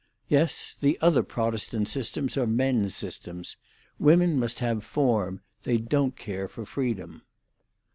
Yes; the other Protestant systems are men's systems. Women must have form. They don't care for freedom."